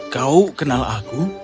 kau kenal aku